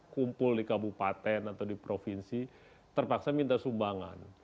kumpul di kabupaten atau di provinsi terpaksa minta sumbangan